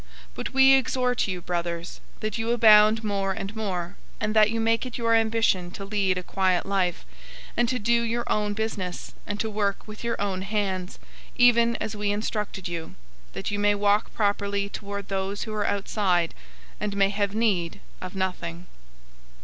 But we exhort you, brothers, that you abound more and more; 004:011 and that you make it your ambition to lead a quiet life, and to do your own business, and to work with your own hands, even as we charged you; 004:012 that you may walk properly toward those who are outside, and may have need of nothing.